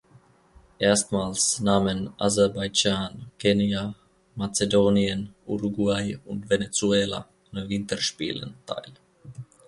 Erstmals nahmen Aserbaidschan, Kenia, Mazedonien, Uruguay und Venezuela an Winterspielen teil.